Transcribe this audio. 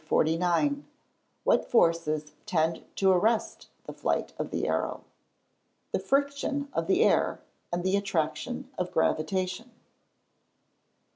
What forces tend to arrest the flight of the arrow? The friction of the air, and the attraction of gravitation.